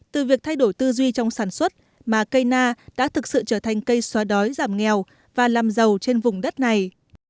từ việc thay đổi tư duy trong sản xuất mà cây na đã thực sự trở thành cây xóa đói giảm nghèo và làm giàu trên vùng đất này